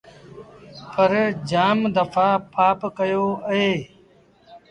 پر جآم دڦآ پآپ ڪيو اهي۔